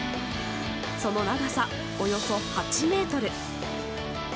その長さ、およそ８ｍ。